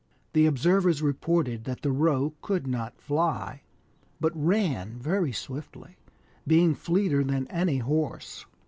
The observers reported that the Roh could not fly, but ran very swiftly, being fleeter than any horse.